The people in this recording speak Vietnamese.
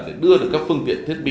để đưa được các phương tiện thiết bị